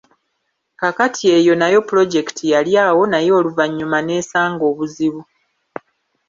Kaakati eyo nayo pulojekiti yali awo naye oluvannyuma n’esanga obuzibu.